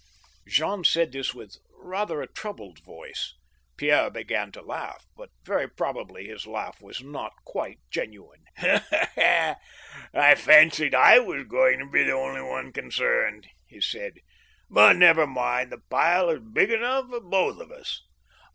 Je^m said this with rather a troubled voice. Pierre began to laugh, but very probably his laugh was not quite genuine. " I fancied I was going to be the only one concerned," he said* " But, never mind, the pile is big enough for both of us."